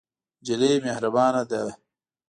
نجلۍ مهربانه ده.